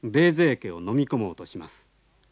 家をのみ込もうとします。